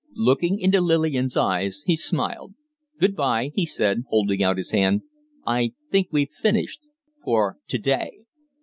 Looking into Lillian's eyes, he smiled. "Good bye!" he said, holding out his hand. "I think we've finished for to day."